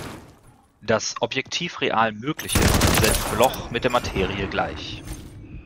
Das "objektiv-real Mögliche" setzt Bloch mit der Materie gleich.